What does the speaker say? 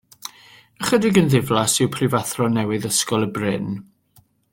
Ychydig yn ddiflas yw prifathro newydd Ysgol y Bryn.